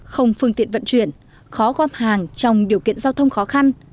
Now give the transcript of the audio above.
không phương tiện vận chuyển khó gom hàng trong điều kiện giao thông khó khăn